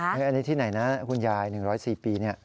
อันนี้ที่ไหนนะคุณยาย๑๐๔ปี